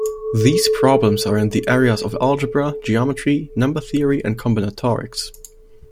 These problems are in the areas of algebra, geometry, number theory and combinatorics.